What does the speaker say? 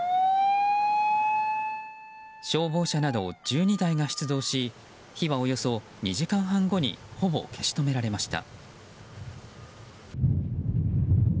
消防車など１２台が出動し火はおよそ２時間半後にほぼ消し止められました。